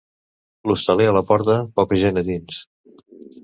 L'hostaler a la porta, poca gent a dins.